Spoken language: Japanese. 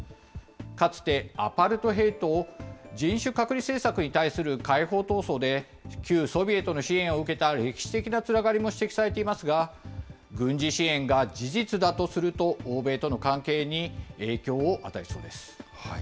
かつてアパルトヘイト・人種隔離政策に対する解放闘争で、旧ソビエトの支援を受けた歴史的なつながりも指摘されていますが、軍事支援が事実だとすると、欧米との関係に影響を与えそうです。